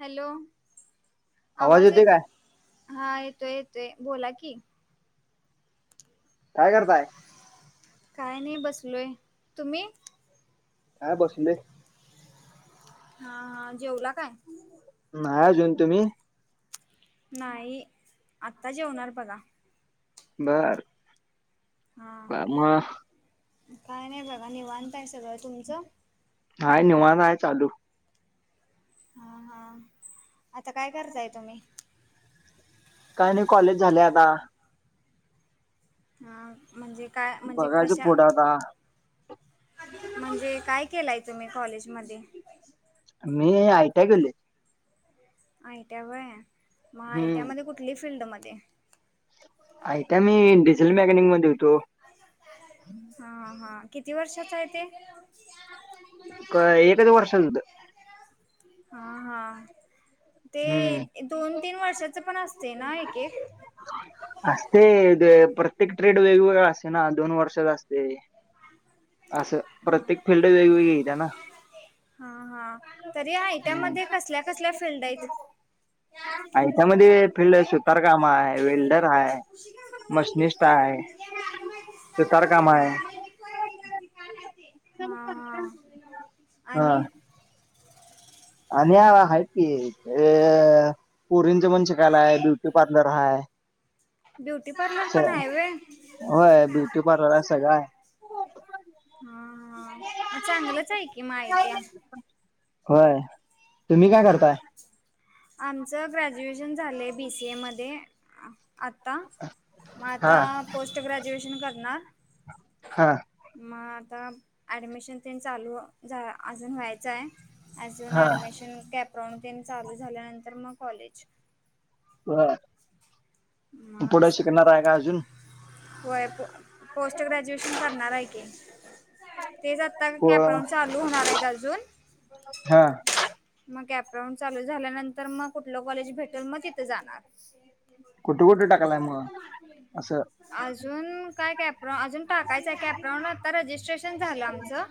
Hello आवाज येते येतोय. काय हा येतोय येतोय बोला की. काय करताय. काय नाही बसलो तुम्ही. हा बसलोय. हा हा जेवला काय. नाही अजून तुम्ही. नाही आत्ता जेवणार बघा. बर. हां बर, मग काय नाही बघा निवांत आहे सगळं तुमचं. हाय निवांत आहे चालू. हा हा आता काय करताय तुम्ही. काय नाही कॉलेज झाले आता. ह म्हणजे काय म्हणजे बघायचं कशा. पुढं आता म्हणजे काय केलाय तुम्ही कॉलेज मध्ये. मी आयटीआय केलंय. आयटीआय होय मग हम्म आयट्यामध्ये कुठली फिल्डमध्येध्ये. आयटीआय मी डिझल मेकॅनिक मध्ये होतो. हा हा किती वर्षाचं आहे ते. एकच वर्षाचं होतं. हा हा ते हम्म दोन तीन वर्षाच पण असते ना एक एक. असते प्रत्येक ट्रेड वेगवेगळा असते ना दोन वर्षचा असते. असं प्रत्येक फिल्ड वेगवेगळी येत्या ना. हा हा तर या आयटीआय मध्ये कसल्या कसल्या फिल्ड आहेत. आयटीआय मध्ये फिल्ड सुतार काम आहे वेल्डर आहे मशनिस्ट. सुतार काम आहे. [unintelligible] हा [unintelligible] आणि. आणि आहेत की अ पोरीनच पण शिकायला आहे ब्य. ब्युटी पार्लर आहे. ब्युटी पार्लर पण आहे व्हय होय ब्युटी पार्लर आहे सगळ आहे. हा हा चांगलंच आहे की मग आयटीआय. होय. तुम्ही काय करताय? आमचं ग्रॅज्युएशन झालंय बीसीए मध्ये. आत्ता मग हा आता पोस्ट ग्रॅज्युएशन करणार, हा मग आता ॲडमिशन ते चालू अजून व्हायचं आहे अजून हा ऍडमिशन कॅप्रोन चालू झाल्यानंतर मग कॉलेज बर मग पुढं असं शिकणार आहे का अजून होय प पोस्ट ग्रॅज्युएशन करणार आहे की तेच आता हो कॅपरान चालू होणार आहेत अजून हा मग अॅपराऊंड चालू झाल्यानंतर मग कुठलं कॉलेज भेटेल मग तिथे जाणार कुठं कुठे टाकालाय मग असं अजून काय कॅप अजून टाकायचंय कॅपरान आता रजिस्ट्रेशन झालं आमचं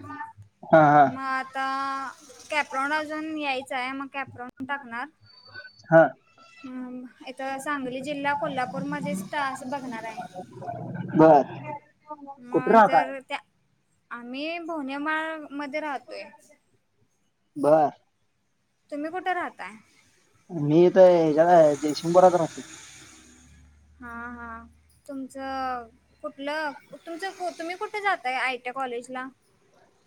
हा हा मग आता कॅपरॉन अजून यायचं आहे मग कॅपरॉन टाकणार हा अ इथ सांगली जिल्हा कोल्हापूरमध्येध्येच तास बघणार आहे बर कुठे मग राहताय? जर त्या आम्ही भोवनेमाळ मध्ये राहतोय बर तुम्ही कुठे राहताय मी इथ जला शिंगोरात राहो ह हा हा तुमचं कुठलं तुमचं तुम्ही कुठं जातय आय टी कॉलेजला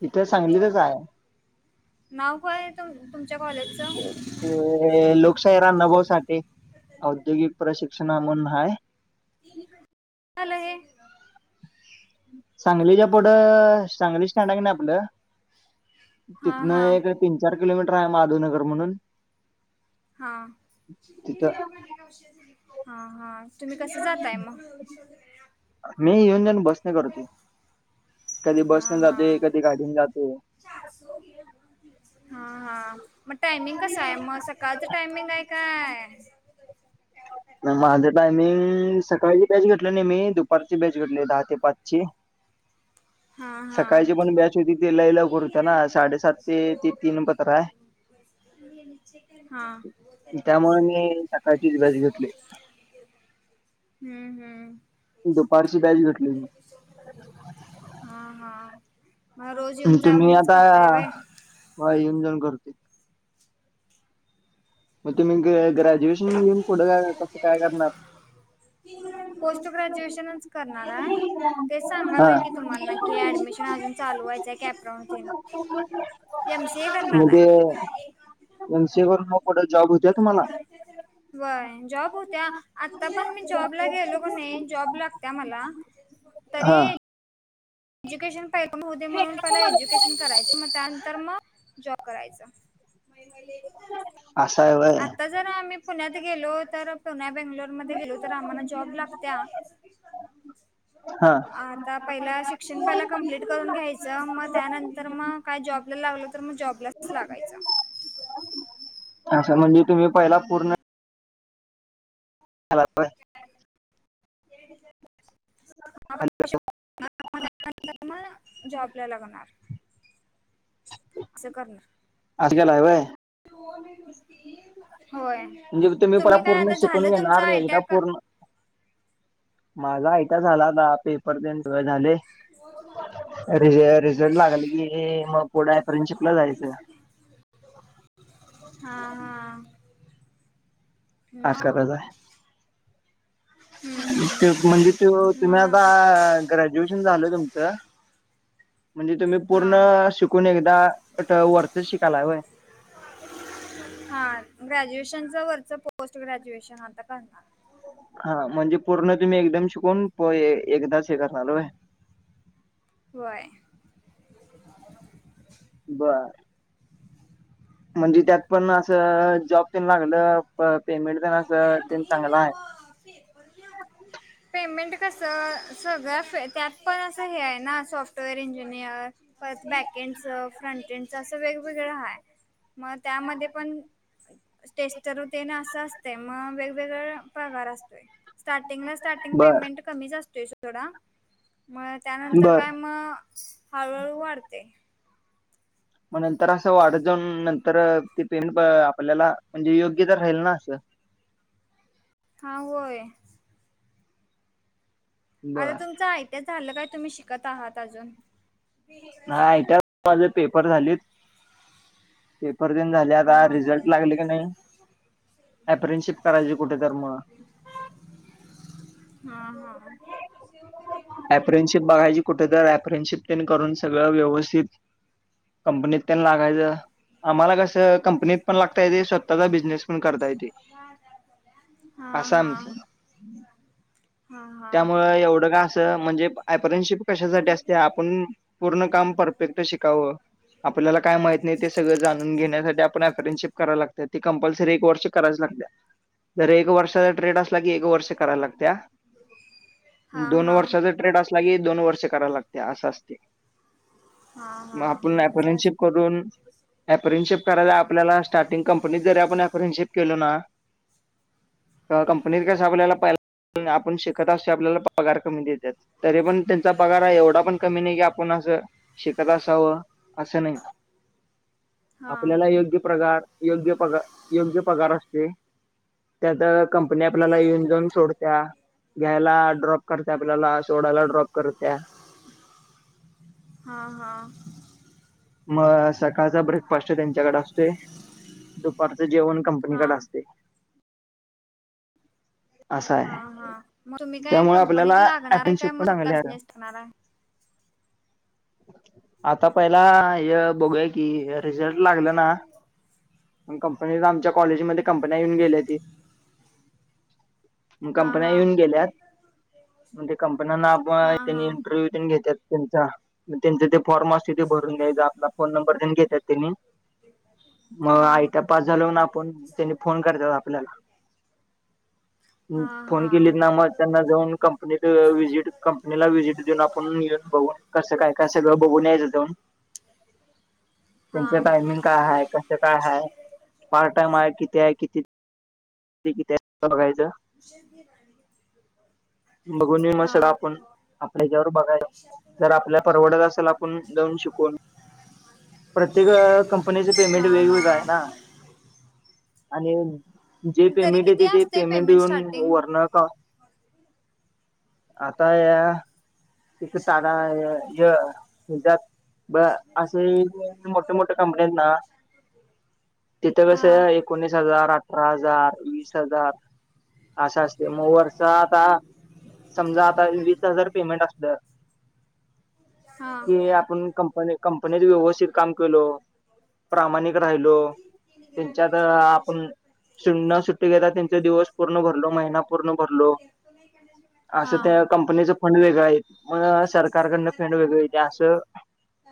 इथे सांगलीतच आहे नाव काय आहे तु तुमच्या कॉलेजचं ते लोकशाहीला नभावसाठी औद्योगिक प्रशिक्षणा म्हून हाय चाल हे सांगलीच्या पुढं सांगली स्टँड आहे नाही आपलं हां तिथन हां एक तीन चार किलोमीटर आहे माधवनगर म्हणून हा तिथं हा हा तुम्ही कसं जातय मग मी येऊन जाऊन बसने करतोय कधी बस न जाते कधी गाडीन जाते हा हा मग टायमिंग कस आहे मग काचं टायमिंग आहे काय माझं टायमिंग सकाळची बॅच घेतलं नाही मी दुपारची बॅच घेतली दहा ते पाचची आवाज नाही हां येत हां सकाळची पण बॅच होती ते लईलवकर होत्या ना साडेसात ते ते तीन पत्र आहे हा त्यामुळे मी सकाळचीच बस घेतले आवाज नाही हम्म हम् दुपारची बॅज घटली म हा हा मग रोज येऊन जाऊनच करताय वे ह येऊन जाऊन करतो मग तुम्ही ग ग्रॅज्युएशन घेऊन ोडं का कसं काय करणार पोस्ट ग्रॅज्युएशनच करणार आहे ते हा सांगालय की तुम्हा क ऍडमिशन अजून चालू व्हायचं कॅपरानटन एमसी करणार म्हणजे आहे एम सी करून मग कठं जॉब होते तुम्हाला बय जॉब होत्या आता पण मी जॉबला गेलो का नाही जॉब लागत्या मला हा तरी एज्युकेशन पाटम हो म्हणूनला एज्युकेशन करायचं मग त्यानंतर मग जॉब करायच आशहाय वय जर आम्ही पुण्यात गेलो तर पुण्या बेंगलोरमध्ये गेलो तर आम्हाला जॉब लागत्या हा आता पहिलाशिक्षण पहिल कप्टलेट करून घ्या जम त्यानंतर मग काय जॉब ला लागल तर मग जॉबलाच लागायच असं म्हणजे तुम्ही पहिला पूर्ण हॅलो खाली म जॉबला लागणार असं करणार अजकल आो आहे होय म्हणजे पहिला तुम्ही काय पूर्ण आता झालं शिकून तुमच घेणार एकदा आयट्या का पूर्ण माझा आयटा झाला दाहा पिस पर सय झाले र रिझल्ट लागल की मग कोडायफरेनशिपला जायचं हा हा मग आजका कझ आहे हम्म तेज हम्म म्हणजे त तुम्ही मग आता ग्रॅज्युएशन झालय तुमचं म्हणजे तुम्ही पूर्ण हा शिकून एकदा वरते शिकायला वय हा ग्रॅज्युएशनच वरच पोस्ट ग्रॅज्युएशन आता करणार हा म्हणजे पूर्ण तुम्ही एकदम शिकून होये एकदाच हे करणारलो वय बर म्हणजे त्यात पण असं जॉब त्यांनी लागलं पेमेंट प असं चांगलं आहे ह फेप घ पेमेंट कसं सगळं फ त्यात पण असं हे आहे ना सॉफ्टवेअर इंजिनियर परत बॅकेंडचं फ्रंटेंडचं असं वेगवेगळं हा आहे म त्यामध्ये पण स्टेज तरुते ना असं असते मग वेगवेगळ प्रकार असतोय स्टार्टिंगला स्टार्टिंग बर पेमेंट कमीच असतोय थोडा मग त्यानंतर बर काय मग हळूहळू वाढते मग नंतर असं वाढ जाऊन नंतर ते पेंन आपल्याला म्हणजे योग्य तर राहील ना असं हा होय बर आता तुमचं आयटीया झालं काय तुम्ही शिकत आहात अजून हा आट माझ पेपर झालेत पेपर देऊन झाले आता हां रिझल्ट लागले की नाही अप्रेनशिप करायची कुठे तर मुग हा हा फेडशिप बगायची कुठेत अपरेनशिप करून सगळं व्यवस्थित कंपनीत लागायचं आम्हाला कसं कंपनीत पण लागता य ते स्वतःचा बिझनेस पण करता येते हजार रुपया हा असं हा आमचं त्यामुळे एवढं का असं म्हणजे आयपरेनशिप कशासाठी असते आपण पूर्ण काम परफेक्ट शिकावं आपल्याला काय माहत नाही ते सगळं जाणून घेण्यासाठी आपण अफर्नशिप कराव लागतो ते कंपल्सरी एक वर्ष करायच लागत्या जर एक वर्षाचा ट्रेड असला की एक वर्ष करायला लागत्या हां दोन हां वर्षाचा ट्रेड असला की दोन वर्ष करायला लागते असं असते हा हा मग आपण असं अपर्नशिप असत करून अपरेनशिप करायला आपल्याला स्टार्टिंग कंपनीत जरी आपण अपरेनशिप केलो ना कंपनीत कस आपल्याला पाहिला आपण शिकत असे आपल्याला पगार कमी देतात तरी पण त्यांचा पगार एवढा पण कमी नाही की आपण असं शिकत असावं असं नाही हा आपल्याला योग्य प्रकार योग्य पगार योग्य पगार असते त्यात कंपनी आपल्याला येऊन जाऊन सोडत घ्यायला ड्रॉप करत आपल्याला सोडायला ड्रॉप करत्या हा हा मग सकाळचा ब्रेकफास्ट त्यांच्याकडे असतोय दुपारचं जेवण हा कंपनीकडे असते असं हा आहे हा मग तुम्ही काय त्यामुळे आपल्याला कंपनीत लागणार आहे अँपनशिप काय मग पण स्वतः चांगले आहे बिझनेस टाकणार आहे [inaudible] आता पहिला हे बघूय की रिझल्ट लागलं ना मग कंपनी आमच्या कॉलेजमध्ये कंपन्या येऊन गेल्या ती मग हा कंपन्या हा येऊन गेल्यात मग ते कंपन्यांना हा आपण त्यांनी हा इंटरव्ह्यू घेतत त्यांचा त्यांच ते फॉर्मसि भरून घ्याय आपला फोन नंबर त्यांनी घेतता त्यांनी मग हा आयता पास झाल होून आपण त्यांनी फोन करत आपल्याला हा फोन हा केली ना मग त्यांना जाऊन कंपनीतजिट कंपनीला व्हजिट देऊन आपण येन बघून कसं काय का सगळं बघू न्यायचातून हा त्यांच टायमिंग काय आहे कस काय आहे पार्ट टाइम आहे किती आहे किती कि बघायचं विषय घ राणी बघून मी मग सड आपण आपल्याच्यावर बघाय जर आपल्या परवडत असेल ण जाऊन शिकवून प्रत्येक कंपनीच पेमेंट हा हा वेगवेगळं आहे ना आणि जे तरी पेमेंट किती येते ते असते पेमेंट येऊन स्टार्टिंग वरणार का आता या त तारा श दिमाग शांत होताय तिथे कस एकोणीस हजार आठ अकरा हजार वीस हजार असा असते म वर्षात आता समजा आता वीस हजार पेमेंट असलं हा कि आपण कंपनी कंपनीत व्यवस्थित काम केल प्रामाणिक राहिलो त्यांच्यात आपण शनना सुट्टी घेता त्यांचे दिवस पूर्ण भरलो महिना पूर्ण भरलो त नाही कर असं त्या कंपनीच फंड वेगळं आहे मग सरकारकडनं फंड वेगळ आहे ते असं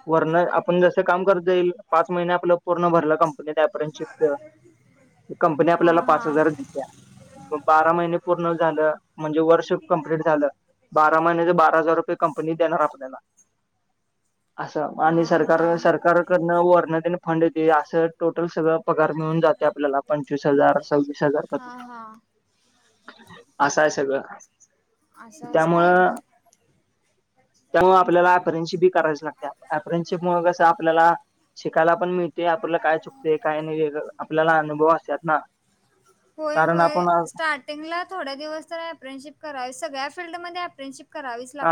वरण आपण जसं काम करता येईल पाच महिने आपलं पूर्ण भरलं कंपनी अपेरांशिप च कंपनी आपल्याला हा पाच हजार दिेतल्या बारा महिने पूर्ण झालं म्हणजे वर्ष कंप्ललीट झालं बारा महिन्याच बारा हजार रुपये कंपनी देणार आपल्याला असं आणि हा सरकार हा सरकारकडनं वर्णतेने फंड दे असं टोटल सगळं पगार मिळून जाते आपल्याला पंचवीस हजार सव्वीस हजार पर्यंत हां, हां. असं आहे सगळं असं असते त्यामुळं त्यामुळे आपल्याला अफरन्सशिपी करायची लागते अफरनशिपमुळे कसं आपल्याला शिकायला पण मिळते आपल्याला काय चुकते काय नाही आपल्याला अनुभव असतत ना होय कारण होय आपण स्टार्ट िंगला थोड दिवस तर अपनशिप करावीग्या फल्डमध्येध्येमपर्नशिप हा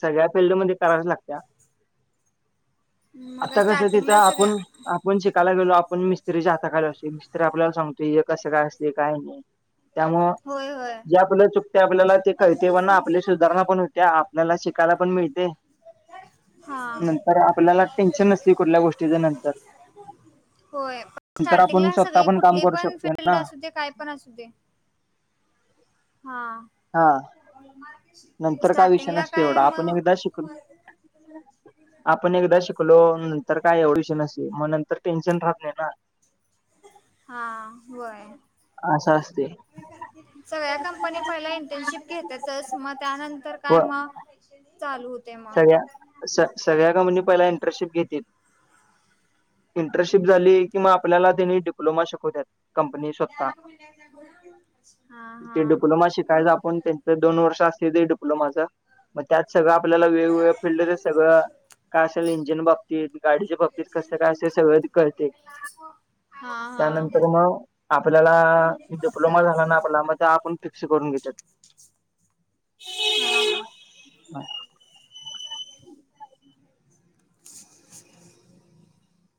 सगळ्या फिल्डमध्येध्ये करायच लागत्या मग आता कसं तिथं स्टार्टिंगला सगळ्या आपण आपण शिकायला गेलो आपण मिस्त्रीच्या हाता खालीशी मिस्त्री आपल्याला सांगतो तू कसं काय असते काय नाही त्यामूळ होय, होय. जे आपलं चुकते आपल्याला ते कळतेवना आपल्या सुधारणा पण हो त्या आपल्याला शिकायला पण मिळते हां. नंतर आपल्याला टेन्शन नसती कुठल्या गोष्टीच नंतर होय पण नंतर आपण स्टार्टिंगला स्वतः सगळी पण काम कुठली करू पण शकतो फिल्ड ना असू दे काय पण असू दे हा हा नंतर काय विषय स्टार्टिंगला नसतो काय एवढा आपण मग एकदा शिकलो आपण एकदा शिकलो नंतर काय ऑडिशनशी मग नंतर टेन्शन राहत नाही ना हा व्हाय ह असस्तते सगळ्या कंपनी्या पहिला इंटर्नशिप घेतातच मग त्यानंतर काय व मग चालू होते मग सगळ्या सगळ्या कंपनी पहिला इंटर्नशिप घेतील इंटर्नशिप झाली किंवा आपल्याला त्यानी डिप्लोमा शिकवत कंपनी हां, ते हां. डिप्लोमा शिकायच आपण त्यां दोन वर्ष असले ते बल माझा मग त्यात सगळं आपल्याला वेगवेगळ्या फिल्ड सगळं काय असेल इंजिन बाबतीत गाडीच्या बाबतीत कसं काय असे सगळ करते हा हा हा त्यानंतर मग आपल्याला डिप्लोमा झाला ना आपला मग आपण फिक्स करून घेतात हा हा [inaudible]